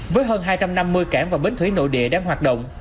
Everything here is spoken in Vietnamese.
với hơn hai trăm năm mươi cảng và bến thủy nội địa đang hoạt động